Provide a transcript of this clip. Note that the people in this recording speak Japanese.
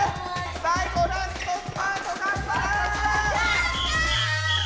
最後ラストスパートがんばれ！